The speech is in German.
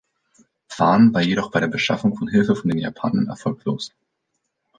Phan war jedoch bei der Beschaffung von Hilfe von den Japanern erfolglos.